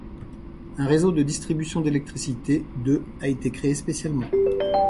Un réseau de distribution d'électricité de a été créé spécialement.